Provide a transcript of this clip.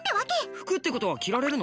服ってことは着られるの？